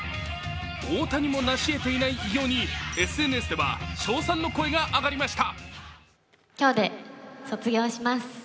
大谷もなしえていない偉業にＳＮＳでは称賛の声が上がりました。